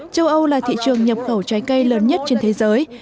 châu âu là thị trường nhập khẩu trái cây lớn nhất trên thế giới